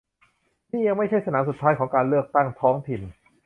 นี่ยังไม่ใช่สนามสุดท้ายของการเลือกตั้งท้องถิ่น